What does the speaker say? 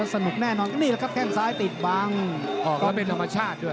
ก็พูดถึงตามชื่อเสียงมวยการผ่านมวยเลย